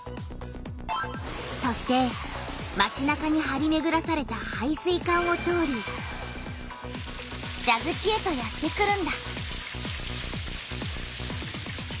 そしてまちなかにはりめぐらされた配水管を通りじゃぐちへとやってくるんだ。